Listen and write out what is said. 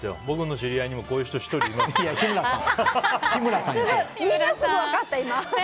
僕の知り合いにもこういう人１人います。